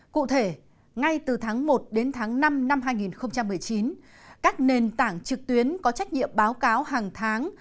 cụ thể ngay từ tháng một đến tháng năm năm hai nghìn một mươi chín các nền tảng trực tuyến có trách nhiệm báo cáo hàng tháng